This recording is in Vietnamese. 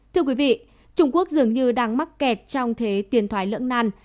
thưa quý vị trung quốc dường như đang mắc kẹt trong thế tiền thoái lưỡng nan